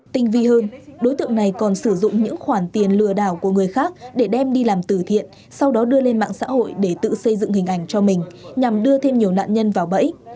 tinh vi hơn đối tượng này còn sử dụng những khoản tiền lừa đảo của người khác để đem đi làm tử thiện sau đó đưa lên mạng xã hội để tự xây dựng hình ảnh cho mình nhằm đưa thêm nhiều nạn nhân vào bẫy